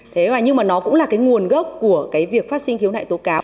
thế và nhưng mà nó cũng là cái nguồn gốc của cái việc phát sinh khiếu nại tố cáo